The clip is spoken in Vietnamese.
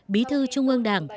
bí thư trung ương đảng